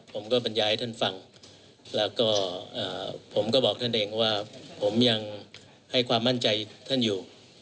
บรรยายให้ท่านฟังแล้วก็ผมก็บอกท่านเองว่าผมยังให้ความมั่นใจท่านอยู่